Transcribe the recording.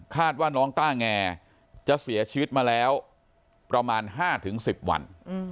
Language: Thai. ว่าน้องต้าแงจะเสียชีวิตมาแล้วประมาณ๕๑๐วัน